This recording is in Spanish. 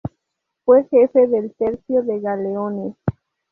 Fue jefe del Tercio de Galeones.